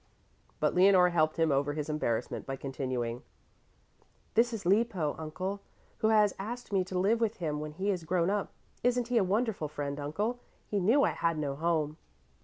But Leonore helped him over his embarrassment by continuing, "This is Lippo, Uncle, who has asked me to live with him when he is grown up. Isn't he a wonderful friend, Uncle? He knew I had no home."